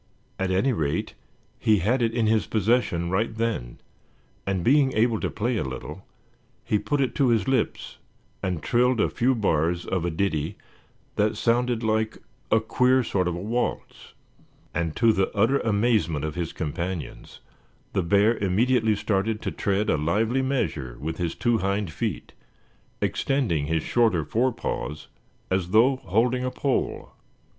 At any rate he had it in his possession right then, and being able to play a little, he put it to his lips and trilled a few bars of a ditty that sounded like a queer sort of a waltz. And to the utter amazement of his companions the bear immediately started to tread a lively measure with his two hind feet, extending his shorter forepaws as though holding a pole.